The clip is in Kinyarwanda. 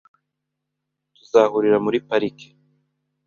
Tuzahurira muri parike .